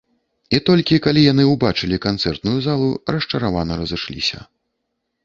І толькі калі яны ўбачылі канцэртную залу, расчаравана разышліся.